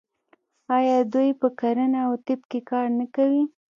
آیا دوی په کرنه او طب کې کار نه کوي؟